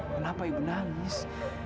kenapa ibu nangis